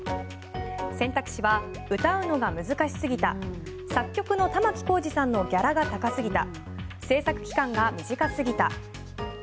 選択肢は、歌うのが難しすぎた作曲の玉置浩二さんのギャラが高すぎた制作期間が短すぎた。